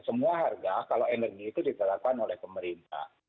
semua harga kalau energi itu diterapkan oleh pemerintah